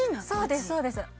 そうですそうです